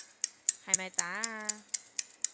係咪打啊？